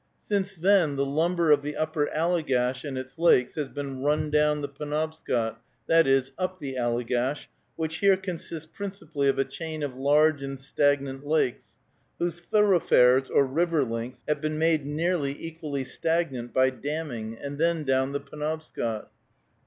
Since then the lumber of the upper Allegash and its lakes has been run down the Penobscot, that is, up the Allegash, which here consists principally of a chain of large and stagnant lakes, whose thoroughfares, or river links, have been made nearly equally stagnant by damming, and then down the Penobscot.